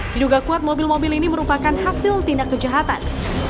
diduga kuat mobil mobil ini merupakan hasil tindak kejahatan